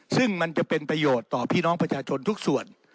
ซึ่งมันจะเป็นประโยชน์ต่อพี่น้องประชาชนทุกส่วน